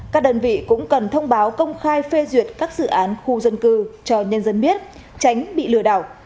các đơn vị cũng cần thông báo công khai phê duyệt các dự án khu dân cư cho nhân dân biết tránh bị lừa đảo